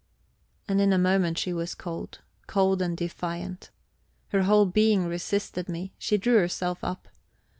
And in a moment she was cold cold and defiant. Her whole being resisted me; she drew herself up.